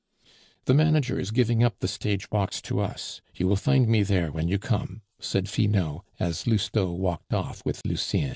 "The manager is giving up the stage box to us; you will find me there when you come," said Finot, as Lousteau walked off with Lucien.